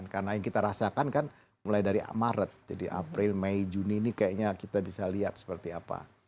karena yang kita rasakan kan mulai dari maret jadi april may juni ini kayaknya kita bisa lihat seperti apa